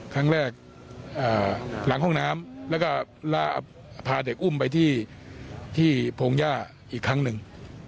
ครั้งแรกหลังห้องน้ำแล้วก็พาเด็กอุ้มไปที่พงหญ้าอีกครั้งหนึ่ง